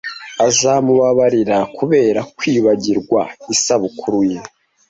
Azamubabarira kubera kwibagirwa isabukuru ye?